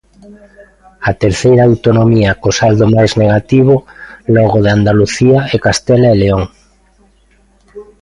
A terceira autonomía co saldo máis negativo, logo de Andalucía e Castela e León.